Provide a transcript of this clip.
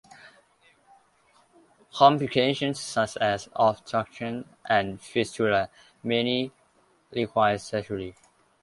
Complications such as obstruction and fistulae may require surgery.